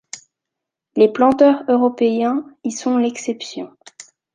Les planteurs européens y sont l’exception.